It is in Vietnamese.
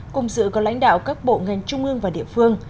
cùng giữa các lãnh đạo các bộ ngành trung ương và địa phương